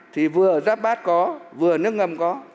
thì vừa giáp bát có vừa nước ngầm có